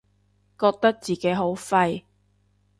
覺得自己好廢